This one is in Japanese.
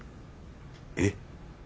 えっ？